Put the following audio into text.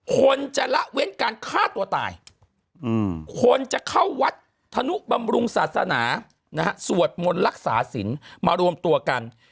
คนจะละเว้นการฆ่าตัวตายคนจะเข้าวัดธนุบำรุงศาสนาสวดมนต์รักษาศิลป์มารวมตัวกัน